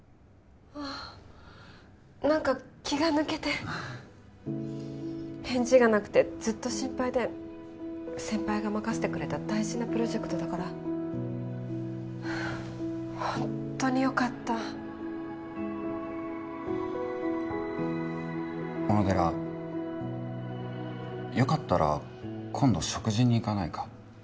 ああ何か気が抜けて返事がなくてずっと心配で先輩が任せてくれた大事なプロジェクトだからホントによかった小野寺よかったら今度食事に行かないか？